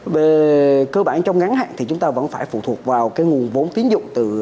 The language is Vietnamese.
về cơ bản trong ngắn hạn thì chúng ta vẫn phải phụ thuộc vào cái nguồn vốn tín dụng